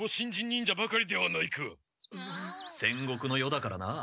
戦国の世だからな。